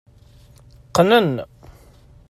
Qqnen.